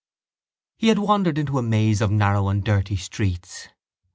He had wandered into a maze of narrow and dirty streets.